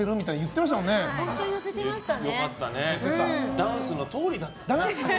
ダンスのとおりだったね。